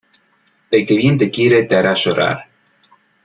El que bien te quiere te hará llorar.